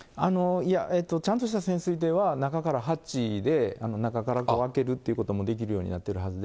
いや、ちゃんとした潜水艇は中からハッチで、中から開けるということもできるようになってるはずで。